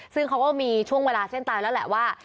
ซึ่งเขาก็มีช่วงเวลาเส้นตายแล้วแหละว่า